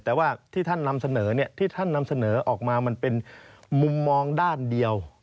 แต่ว่าที่ท่านนำเสนอที่ท่านนำเสนอออกมามันเป็นมุมมองด้านเดียว